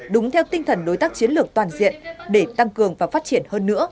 đúng theo tinh thần đối tác chiến lược toàn diện để tăng cường và phát triển hơn nữa